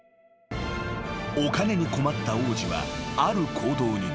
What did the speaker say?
［お金に困った王子はある行動に出る］